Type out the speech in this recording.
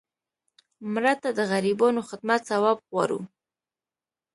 مړه ته د غریبانو خدمت ثواب غواړو